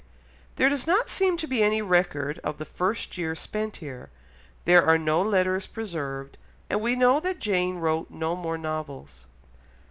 There does not seem to be any record of the first year spent here, there are no letters preserved, and we know that Jane wrote no more novels.